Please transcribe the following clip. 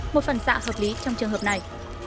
một phần xạ hợp lý trong trường hợp này